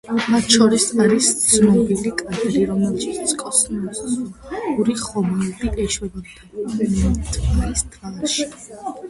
მათ შორის არის ცნობილი კადრი, რომელშიც კოსმოსური ხომალდი ეშვება მთვარის თვალში.